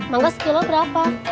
mau kasih kilo berapa